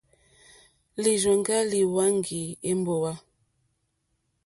Lírzòŋgá líhwánjì èmbówà.